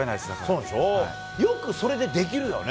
よくそれでできるよね。